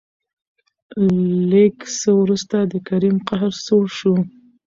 لېږ څه ورورسته د کريم قهر سوړ شو.